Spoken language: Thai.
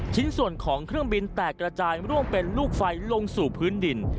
ชิ้นส่วนของเครื่องบินแตกระจายร่วงเป็นลูกไฟลงสู่พื้นดิน